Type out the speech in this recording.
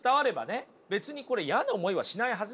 別にこれ嫌な思いはしないはずなんですよ。